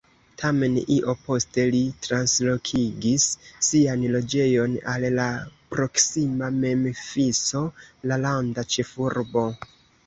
Tamen, io poste li translokigis sian loĝejon al la proksima Memfiso, la landa ĉefurbo.